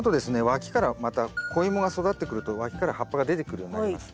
わきからまた子イモが育ってくるとわきから葉っぱが出てくるようになります。